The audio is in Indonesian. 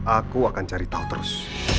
aku akan cari tahu terus